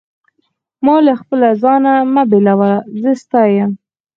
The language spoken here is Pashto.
ما له خپل ځانه مه بېلوه، زه ستا یم.